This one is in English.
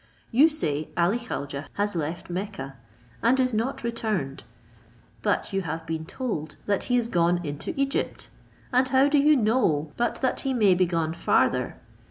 You say Ali Khaujeh has left Mecca, and is not returned; but you have been told that he is gone into Egypt; and how do you know but that he may be gone farther?